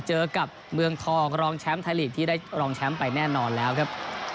เจอกับเมืองทองรองแชมป์ไทยลีกที่ได้รองแชมป์ไปแน่นอนแล้วครับ